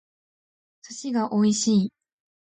寿司が美味しい